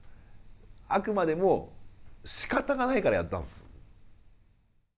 あくまでもしかたがないからやったんです。